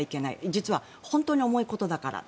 実は、本当に重いことだから。